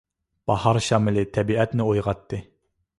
باھار شامىلى تەبىئەتنى ئويغاتتى.